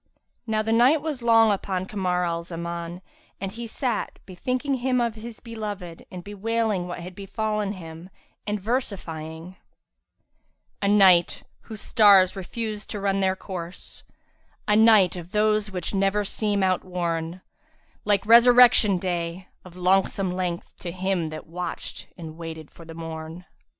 Now the night was long upon Kamar al Zaman, and he sat, bethinking him of his beloved, and bewailing what had befallen him and versifying, "A night whose stars refused to run their course, * A night of those which never seem outworn: Like Resurrection day, of longsome length[FN#334] * To him that watched and waited for the morn."